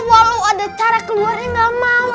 walau ada cara keluarnya nggak mau